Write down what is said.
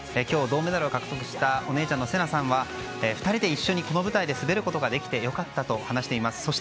今日、銅メダルを獲得したお姉ちゃんのせなさんは２人で一緒にこの舞台で滑ることができて良かったと話しています。